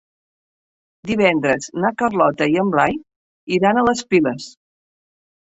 Divendres na Carlota i en Blai iran a les Piles.